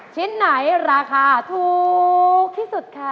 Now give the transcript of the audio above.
ชิ้นไหนราคาถูกที่สุดคะ